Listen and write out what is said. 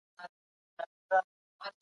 اسلام د هر چا د هوساینې غوښتونکی دی.